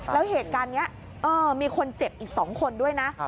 แล้วเหตุการณ์นี้มีคนเจ็บอีก๒คนด้วยนะ